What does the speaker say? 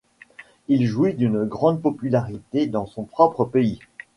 Il jouit d'une grande popularité dans son propre pays.